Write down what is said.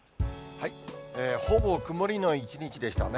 ほぼ曇りの一日でしたね。